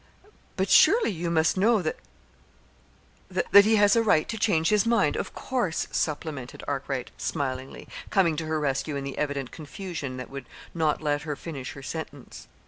"But surely you must know that that " "That he has a right to change his mind, of course," supplemented Arkwright smilingly, coming to her rescue in the evident confusion that would not let her finish her sentence.